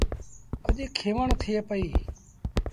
اَڄ کينوڻ ٿئي پئيٚ۔